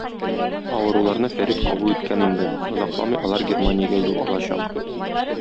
Авыруларны Фәрит кабул иткән инде, озакламый алар Германиягә юл алачак.